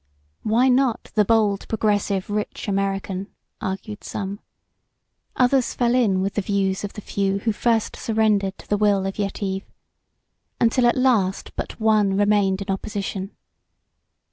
Why not the bold, progressive, rich American? argued some. Others fell in with the views of the few who first surrendered to the will of Yetive, until at last but one remained in opposition.